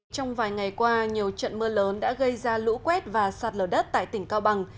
trong vài ngày qua nhiều trận mưa lớn đã gây ra lũ quét và sạt lở đất tại tỉnh cao bằng